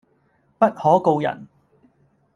不可告人